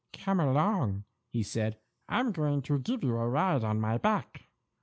"Come along!" he said. "I'm going to give you a ride on my back."